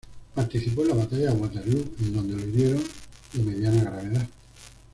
Participó en la batalla de Waterloo, en donde lo hirieron de mediana gravedad.